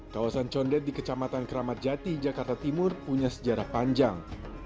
kawasan condet di kecamatan keramat jati jakarta timur punya sejarah panjang